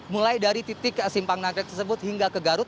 mulai dari titik simpang nagrek tersebut hingga ke garut